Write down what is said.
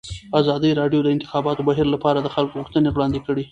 ازادي راډیو د د انتخاباتو بهیر لپاره د خلکو غوښتنې وړاندې کړي.